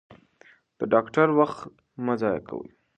د ډاکټر وخت مه ضایع کوئ.